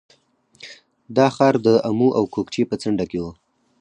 دا ښار د امو او کوکچې په څنډه کې و